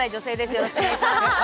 よろしくお願いします。